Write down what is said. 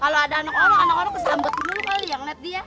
kalau ada anak orang anak anak kesambet dulu kali ya